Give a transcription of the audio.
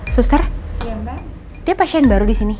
suster dia pasien baru disini